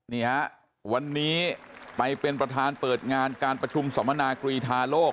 นี่ฮะวันนี้ไปเป็นประธานเปิดงานการประชุมสมนากรีธาโลก